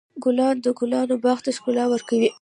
ګلان د ګلانو باغ ته ښکلا ورکوي.